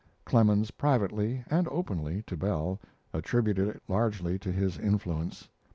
Clemens privately and openly (to Bell) attributed it largely to his influence.